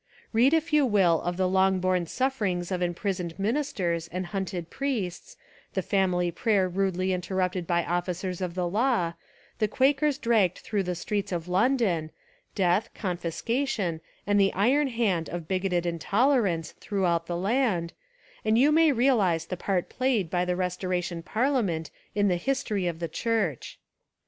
Read if you will of the long borne suf ferings of imprisoned ministers and hunted priests, the family prayer rudely interrupted by officers of the law, the Quakers dragged through the streets of London, death, confisca tion and the iron hand of bigoted intolerance throughout the land, and you may realise the part played by the restoration parliament in the history of the church.